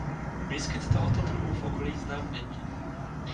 Výskyt tohoto druhu v okolí znám není.